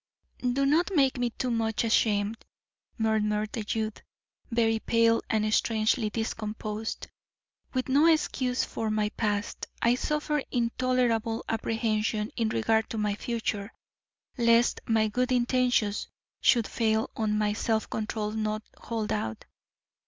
"Do not make me too much ashamed," murmured the youth, very pale and strangely discomposed. "With no excuse for my past, I suffer intolerable apprehension in regard to my future, lest my good intentions should fail or my self control not hold out.